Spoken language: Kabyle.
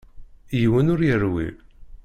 Yiwen ur yerwil.